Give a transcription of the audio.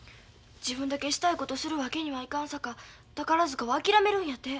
自分だけしたいことするわけにはいかんさか宝塚は諦めるんやて。